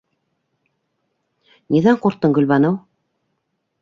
Ниҙән ҡурҡтың, Гөлбаныу?